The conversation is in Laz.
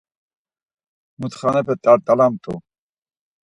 Mutxanepe t̆art̆alamt̆u.